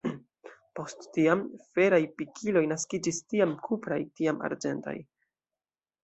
Post tiam, feraj pikiloj naskiĝis, tiam kupraj, tiam arĝentaj.